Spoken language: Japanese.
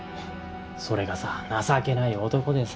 それがさ情けない男でさ